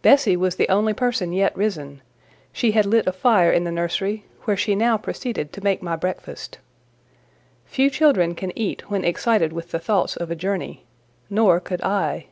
Bessie was the only person yet risen; she had lit a fire in the nursery, where she now proceeded to make my breakfast. Few children can eat when excited with the thoughts of a journey; nor could I.